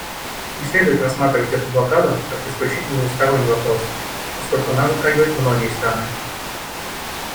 Не следует рассматривать эту блокаду как исключительно двусторонний вопрос, поскольку она затрагивает многие страны.